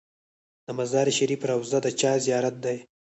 د مزار شریف روضه د چا زیارت دی؟